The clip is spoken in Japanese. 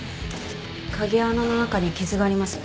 鍵穴の中に傷があります。